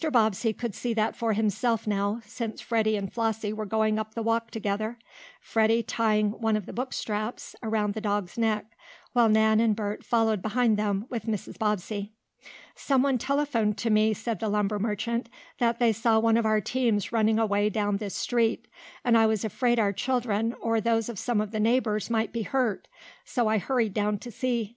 Bobbsey could see that for himself now, since Freddie and Flossie were going up the walk together, Freddie tying one of the book straps around the dog's neck, while Nan and Bert followed behind them, with Mrs. Bobbsey. "Someone telephoned to me," said the lumber merchant, "that they saw one of our teams running away down this street, and I was afraid our children, or those of some of the neighbors, might be hurt. So I hurried down to see.